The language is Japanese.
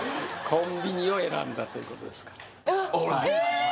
コンビニを選んだということですからあっええー？